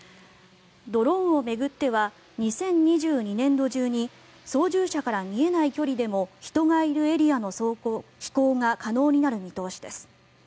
ドローンを巡っては２０２２年度中に操縦者から見えない距離でも人がいるエリアの飛行が可能になる見通しです。